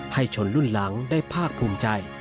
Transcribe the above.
ชนรุ่นหลังได้ภาคภูมิใจ